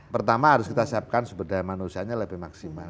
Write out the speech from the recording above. pertama harus kita siapkan sebenarnya manusianya lebih maksimal